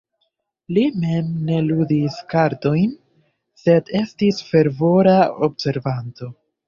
Li mem ne ludis kartojn, sed estis fervora observanto.